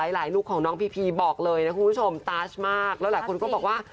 ลุคของน้องพีพีบอกเลยนะคุณผู้ชมตาชมากแล้วหลายคนก็บอกว่า